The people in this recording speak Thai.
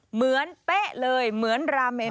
เหมือนเป๊ะเลยเหมือนราเมน